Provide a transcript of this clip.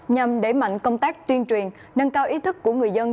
nhằm đẩy mạnh công tác tuyên truyền nâng cao ý thức của người dân